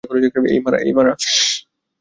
এই, মারা।